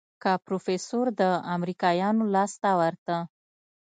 که پروفيسر د امريکايانو لاس ته ورته.